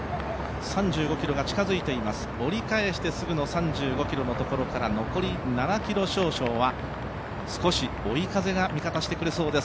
３５ｋｍが近づいています、折り返してすぐの３５ｋｍのところから残り７ｋｍ少々は、少し追い風が味方してくれそうです。